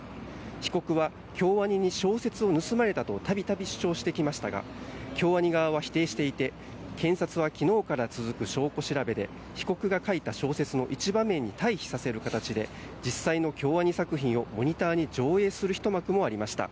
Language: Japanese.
被告は京アニに小説を盗まれたと度々主張してきましたが京アニ側は否定していて検察は昨日から続く証拠調べで被告が書いた小説の一場面に対比させる形で実際の京アニ作品をモニターに上映するひと幕もありました。